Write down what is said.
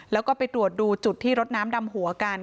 แล้วก็ไปตรวจดูจุดที่รถน้ำดำหัวกัน